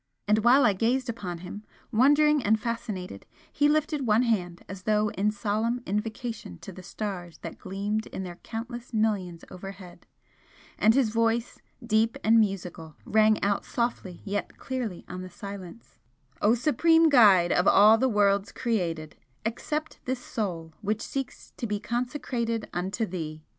And while I gazed upon him, wondering and fascinated, he lifted one hand as though in solemn invocation to the stars that gleamed in their countless millions overhead, and his voice, deep and musical, rang out softly yet clearly on the silence: "O Supreme Guide of all the worlds created, accept this Soul which seeks to be consecrated unto Thee!